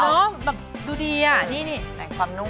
เนอะแบบดูดีอ่ะนี่ใส่ความนุ่ม